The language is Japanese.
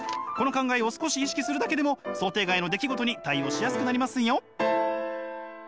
この考えを少し意識するだけでも想定外の出来事に対応しやすくなりますよ！